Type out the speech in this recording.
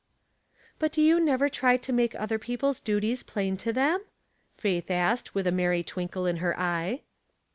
" But do you never try to make other people's duties plain to them ?" Faith asked, with a merry twinkle in her eye.